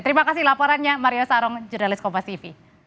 terima kasih laporannya mario sarong jurnalis kompas tv